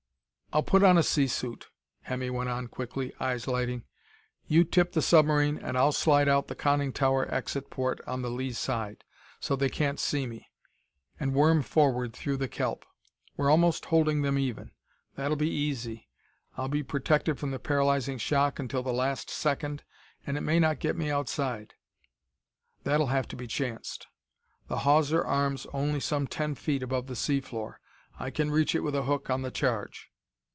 "I'll put on a sea suit," Hemmy went on quickly, eyes lighting. "You tip the submarine and I'll slide out the conning tower exit port on the lee side, so they can't see me, and worm forward through the kelp. We're almost holding them even; that'll be easy. I'll be protected from the paralyzing shock until the last second, and it may not get me outside; that'll have to be chanced. The hawser arm's only some ten feet above the sea floor; I can reach it with a hook on the charge."